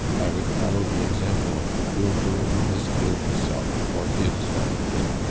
"I would follow the example of the poor girl who has killed herself for his benefit.